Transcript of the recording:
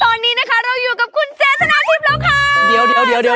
ตอนนี้นะคะเราอยู่กับคุณเจชนะทิพย์แล้วค่ะ